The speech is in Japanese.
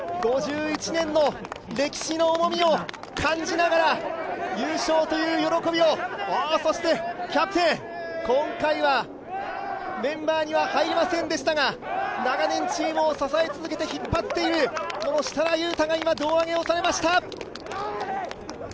５１年の歴史の重みを感じながら優勝という喜びを、そしてキャプテン、今回はメンバーには入りませんでしたが、長年チームを支え続けて引っ張っている設楽悠太が今、胴上げをされました。